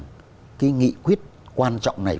cái nghị quyết quan trọng này